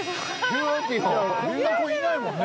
こんな子いないもんね